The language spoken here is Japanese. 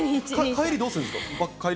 帰り、どうするんですか？